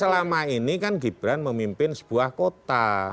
selama ini kan gibran memimpin sebuah kota